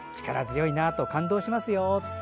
力強いなと感動しますよ。